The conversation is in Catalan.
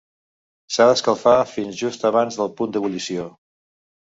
S'ha d'escalfar fins a just abans del punt d'ebullició.